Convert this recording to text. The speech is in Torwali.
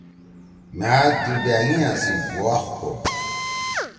مھأ دُو بأنگیا سی گُواخ کو۔